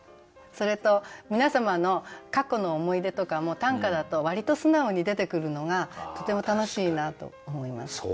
それと皆様の過去の思い出とかも短歌だと割と素直に出てくるのがとても楽しいなと思います。